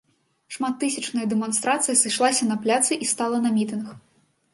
Шматтысячная дэманстрацыя сышлася на пляцы і стала на мітынг.